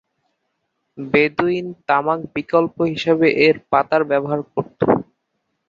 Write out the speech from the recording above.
বেদুইন তামাক বিকল্প হিসেবে এর পাতার ব্যবহার করত।